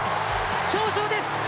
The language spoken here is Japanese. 競争です！